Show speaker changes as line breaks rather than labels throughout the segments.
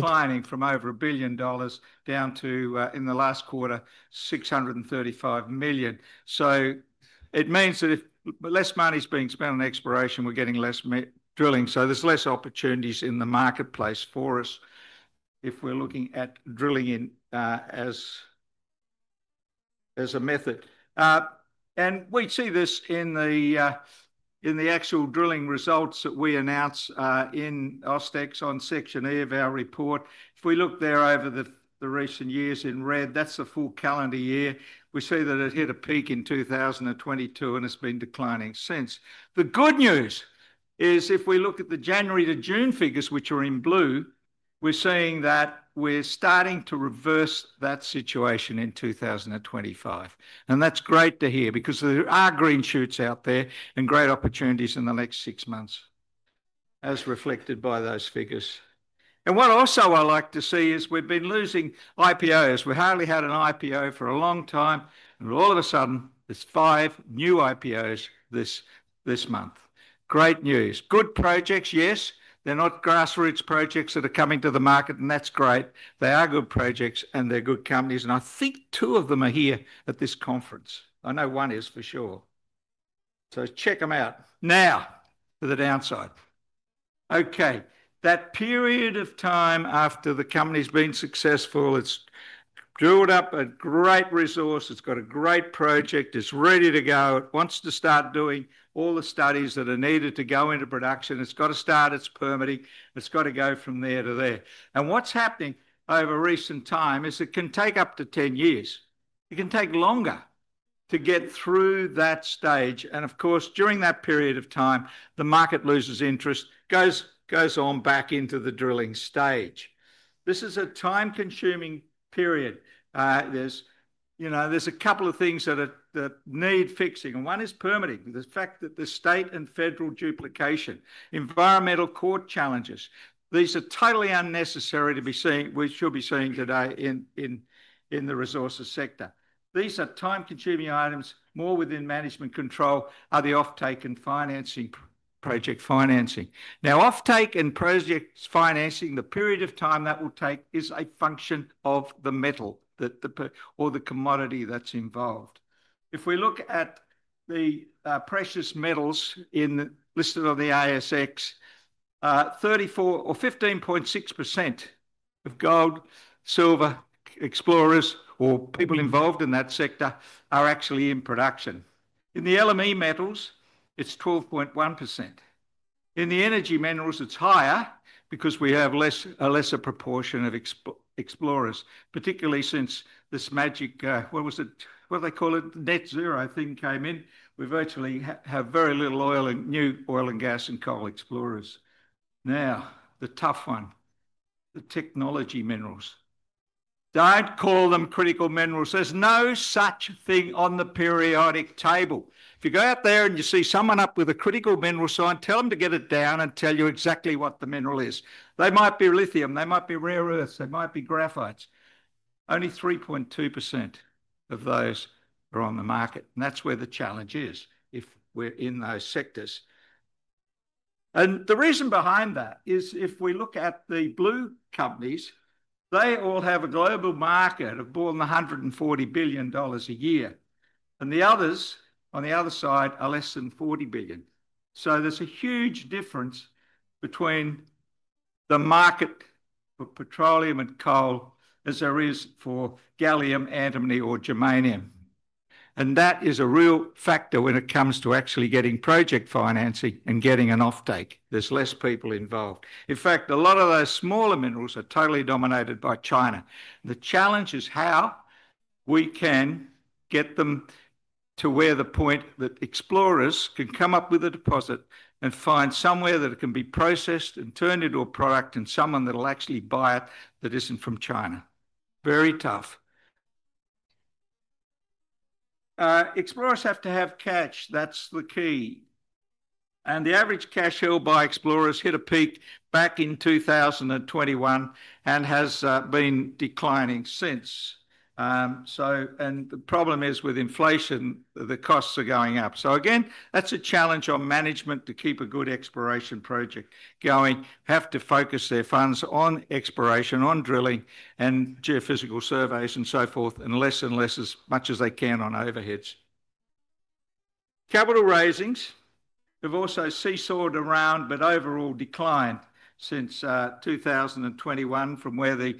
Climbing from over 1 billion dollars down to, in the last quarter, 635 million. It means that if less money is being spent on exploration, we're getting less drilling. There's less opportunities in the marketplace for us if we're looking at drilling in as a method. We see this in the actual drilling results that we announce in ASX on section A of our report. If we look there over the recent years in red, that's the full calendar year. We see that it hit a peak in 2022 and it's been declining since. The good news is if we look at the January to June figures, which are in blue, we're seeing that we're starting to reverse that situation in 2025. That's great to hear because there are green shoots out there and great opportunities in the next six months, as reflected by those figures. What I also like to see is we've been losing IPOs. We've hardly had an IPO for a long time, and all of a sudden, there's five new IPOs this month. Great news. Good projects, yes. They're not grassroots projects that are coming to the market, and that's great. They are good projects, and they're good companies. I think two of them are here at this conference. I know one is for sure. Check them out. Now, for the downside. That period of time after the company's been successful, it's drilled up a great resource, it's got a great project, it's ready to go, it wants to start doing all the studies that are needed to go into production, it's got to start its permitting, it's got to go from there to there. What's happening over recent time is it can take up to 10 years. It can take longer to get through that stage. Of course, during that period of time, the market loses interest, goes on back into the drilling stage. This is a time-consuming period. There are a couple of things that need fixing. One is permitting. The fact that the state and federal duplication, environmental court challenges, these are totally unnecessary to be seeing, which you'll be seeing today in the resources sector. These are time-consuming items. More within management control are the offtake and project financing. Now, offtake and project financing, the period of time that will take is a function of the metal or the commodity that's involved. If we look at the precious metals listed on the ASX, 34 or 15.6% of gold, silver explorers, or people involved in that sector are actually in production. In the LME metals, it's 12.1%. In the energy minerals, it's higher because we have a lesser proportion of explorers, particularly since this magic, what was it, what they call it, net zero thing came in. We virtually have very little new oil and gas and coal explorers. Now, the tough one, the technology minerals. Don't call them critical minerals. There's no such thing on the periodic table. If you go out there and you see someone up with a critical mineral sign, tell them to get it down and tell you exactly what the mineral is. They might be lithium, they might be rare earths, they might be graphites. Only 3.2% of those are on the market. That's where the challenge is if we're in those sectors. The reason behind that is if we look at the blue companies, they all have a global market of more than 140 billion dollars a year. The others on the other side are less than 40 billion. There's a huge difference between the market for petroleum and coal as there is for gallium, antimony, or germanium. That is a real factor when it comes to actually getting project financing and getting an offtake. There's less people involved. In fact, a lot of those smaller minerals are totally dominated by China. The challenge is how we can get them to where the point that explorers can come up with a deposit and find somewhere that it can be processed and turned into a product and someone that will actually buy it that isn't from China. Very tough. Explorers have to have cash. That's the key. The average cash held by explorers hit a peak back in 2021 and has been declining since. The problem is with inflation, the costs are going up. Again, that's a challenge on management to keep a good exploration project going. Have to focus their funds on exploration, on drilling, and geophysical surveys, and so forth, and less and less as much as they can on overheads. Capital raisings have also seesawed around, but overall declined since 2021 from where the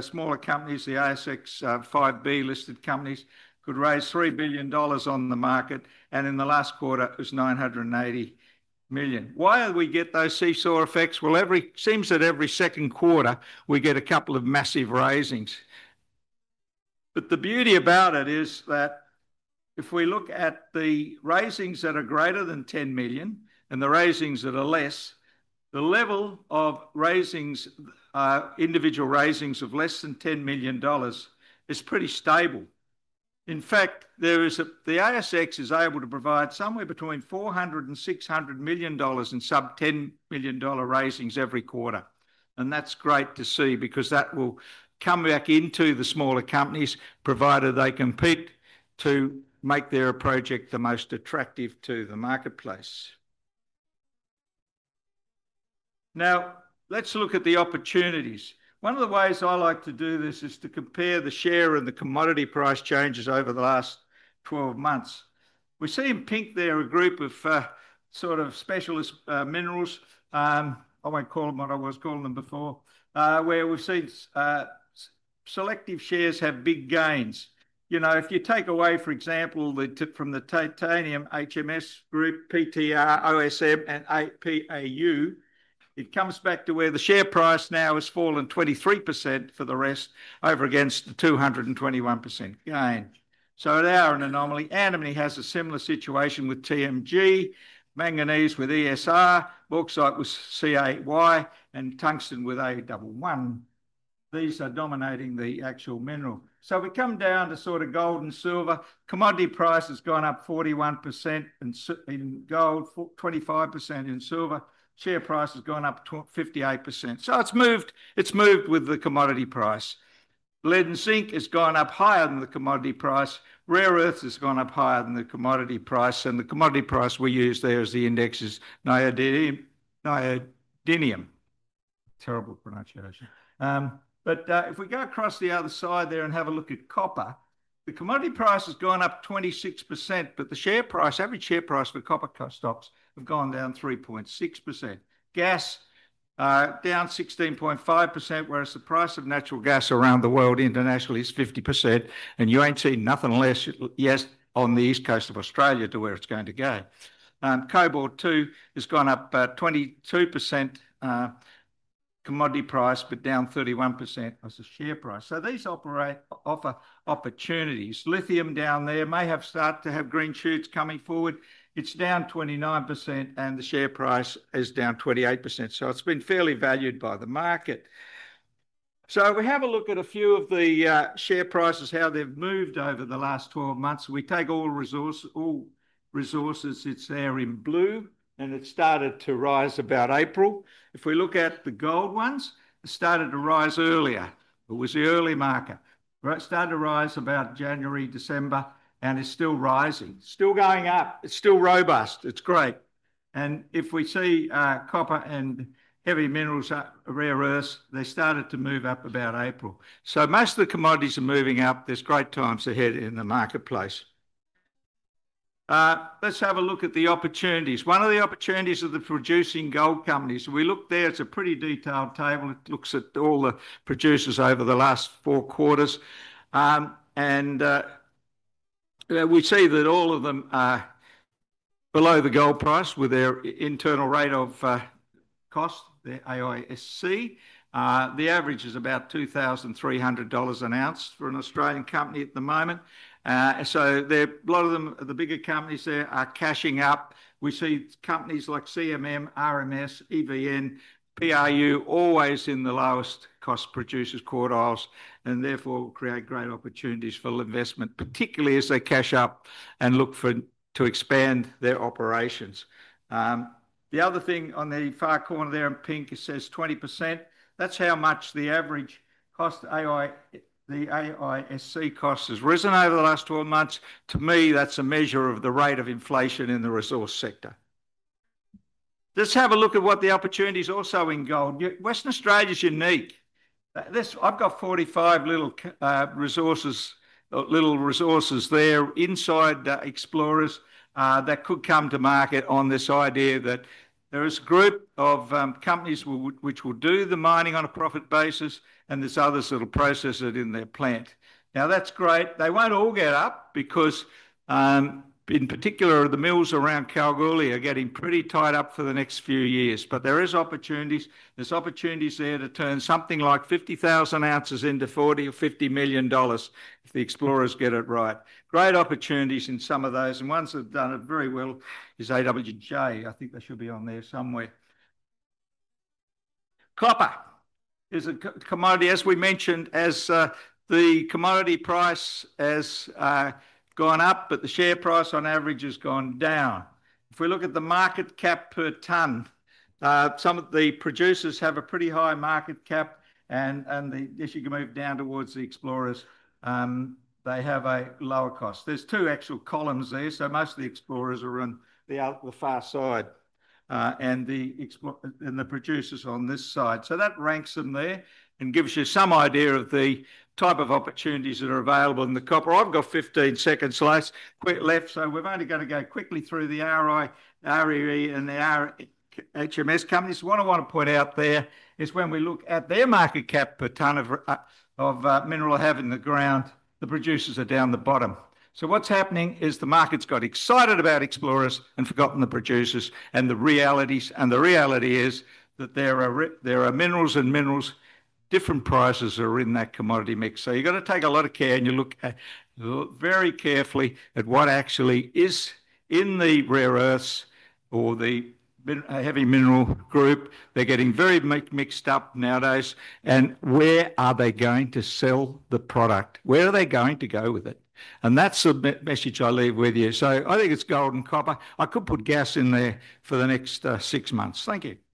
smaller companies, the ASX, 5B listed companies could raise 3 billion dollars on the market, and in the last quarter, it was 980 million. Why do we get those seesaw effects? It seems that every second quarter, we get a couple of massive raisings. The beauty about it is that if we look at the raisings that are greater than 10 million and the raisings that are less, the level of raisings, individual raisings of less than 10 million dollars is pretty stable. In fact, the ASX is able to provide somewhere between 400 million-600 million dollars in sub-AUD 10 million raisings every quarter. That's great to see because that will come back into the smaller companies, provided they compete to make their project the most attractive to the marketplace. Now, let's look at the opportunities. One of the ways I like to do this is to compare the share and the commodity price changes over the last 12 months. We see in pink there a group of, sort of specialist, minerals. I won't call them what I was calling them before, where we've seen selective shares have big gains. If you take away, for example, from the titanium, heavy mineral sands group, PTR, OSM, and APAU, it comes back to where the share price now has fallen 23% for the rest over against the 221% gain. They are an anomaly. Antimony has a similar situation with TMG, manganese with ESR, oxide with CAY, and tungsten with A11. These are dominating the actual mineral. We come down to sort of gold and silver. Commodity price has gone up 41% in gold, 25% in silver. Share price has gone up 58%. It's moved. It's moved with the commodity price. Lead and zinc has gone up higher than the commodity price. Rare earths has gone up higher than the commodity price, and the commodity price we use there is the index's neodymium. Terrible pronunciation, but if we go across the other side there and have a look at copper, the commodity price has gone up 26%, but the share price, average share price for copper stocks, has gone down 3.6%. Gas, down 16.5%, whereas the price of natural gas around the world internationally is 50%, and you ain't seen nothing less, yes, on the east coast of Australia to where it's going to go. Cobalt too has gone up 22%, commodity price, but down 31% as a share price. These offer opportunities. Lithium down there may have started to have green shoots coming forward. It's down 29%, and the share price is down 28%. It's been fairly valued by the market. We have a look at a few of the share prices, how they've moved over the last 12 months. We take all resources, all resources, it's there in blue, and it started to rise about April. If we look at the gold ones, it started to rise earlier. It was the early marker. It started to rise about January, December, and it's still rising. Still going up. It's still robust. It's great. If we see copper and heavy minerals or rare earths, they started to move up about April. Most of the commodities are moving up. There's great times ahead in the marketplace. Let's have a look at the opportunities. One of the opportunities is the producing gold companies. We look there. It's a pretty detailed table. It looks at all the producers over the last four quarters. We see that all of them are below the gold price with their internal rate of cost, the AISC. The average is about 2,300 dollars an ounce for an Australian company at the moment. A lot of them, the bigger companies there, are cashing up. We see companies like CMM, RMS, EVN, BAU always in the lowest cost producers quartiles, and therefore create great opportunities for investment, particularly as they cash up and look to expand their operations. The other thing on the far corner there in pink, it says 20%. That's how much the average AISC cost has risen over the last 12 months. To me, that's a measure of the rate of inflation in the resource sector. Let's have a look at what the opportunities are also in gold. Western Australia is unique. I've got 45 little resources there inside the explorers that could come to market on this idea that there is a group of companies which will do the mining on a profit basis, and there's others that will process it in their plant. That's great. They won't all get up because, in particular, the mills around Kalgoorlie are getting pretty tied up for the next few years, but there are opportunities. There's opportunities there to turn something like 50,000 oz into 40 million or 50 million dollars if the explorers get it right. Great opportunities in some of those, and ones that have done it very well is AWJ. I think they should be on there somewhere. Copper is a commodity, as we mentioned, as the commodity price has gone up, but the share price on average has gone down. If we look at the market cap per ton, some of the producers have a pretty high market cap, and you can move down towards the explorers. They have a lower cost. There's two actual columns there, so most of the explorers are on the far side, and the producers on this side. That ranks them there and gives you some idea of the type of opportunities that are available in the copper. I've got 15 seconds left, so we're only going to go quickly through the RI, REE, and the HMS companies. What I want to point out there is when we look at their market cap per ton of mineral they have in the ground, the producers are down the bottom. What's happening is the market's got excited about explorers and forgotten the producers, and the reality is that there are minerals and minerals, different prices are in that commodity mix. You've got to take a lot of care and look very carefully at what actually is in the rare earths or the heavy mineral group. They're getting very mixed up nowadays. Where are they going to sell the product? Where are they going to go with it? That's the message I leave with you. I think it's gold and copper. I could put gas in there for the next six months. Thank you.